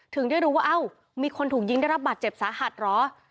ถึงได้รู้ว่าเอ้ามีคนถูกยิงได้รับบาดเจ็บสาหัสเหรอ